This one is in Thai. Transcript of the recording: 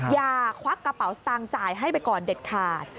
ควักกระเป๋าสตางค์จ่ายให้ไปก่อนเด็ดขาด